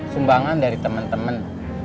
sumbangan dari temen temen